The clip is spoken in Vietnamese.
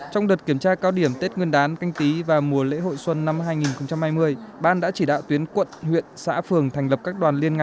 trong đợt kiểm tra cao điểm tết nguyên đán canh tí và mùa lễ hội xuân năm hai nghìn hai mươi ban đã chỉ đạo tuyến quận huyện xã phường thành lập các đoàn liên ngạ